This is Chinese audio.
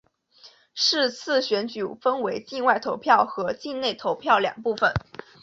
是次选举分为境外投票和境内投票两部分。